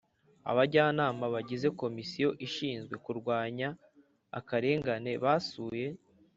Abajyanama bagize komisiyo ishinzwe kurwanya akarengane basuye